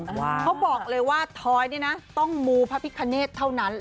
เขาบอกเลยว่าถอยต้องมูพระพิษฐเท่านั้น